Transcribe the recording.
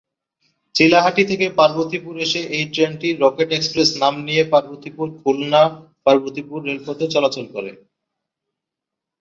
চিলাহাটি থেকে পার্বতীপুর এসে এই ট্রেনটি রকেট এক্সপ্রেস নাম নিয়ে পার্বতীপুর-খুলনা-পার্বতীপুর রেলপথে চলাচল করে।